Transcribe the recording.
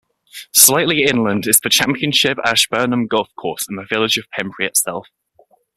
Slightly inland is the championship Ashburnham Golf Course and the village of Pembrey itself.